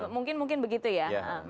mungkin begitu ya